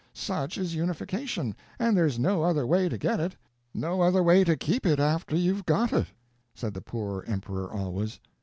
Such is unification, and there's no other way to get it no other way to keep it after you've got it," said the poor emperor always.